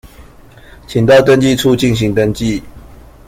請到登記處進行登記